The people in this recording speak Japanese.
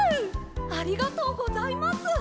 ありがとうございます！